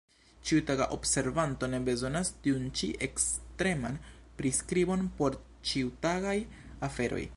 Ĉiutaga observanto ne bezonas tiun ĉi ekstreman priskribon por ĉiutagaj aferoj.